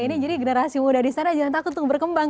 ini jadi generasi muda di sana jangan takut untuk berkembang